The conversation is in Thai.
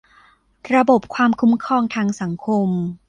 ระบบความคุ้มครองทางสังคม